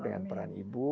dengan peran ibu